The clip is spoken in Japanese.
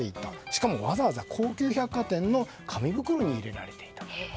しかもわざわざ高級百貨店の紙袋に入れられていたという。